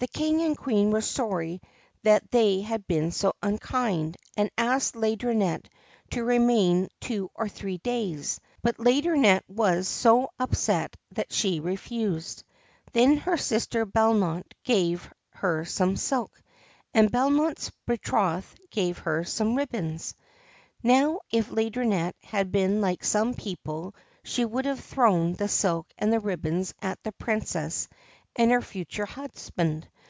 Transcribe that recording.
The King and Queen were sorry that they had been so unkind, and asked Laideronnette to remain two or three days ; but Laideron nette was so upset that she refused. Then her sister Bellote gave her some silk, and Bellote's betrothed gave her some ribbons. Now, if Laideronnette had been like some people she would have thrown the silk and the ribbons at the Princess and her future husband.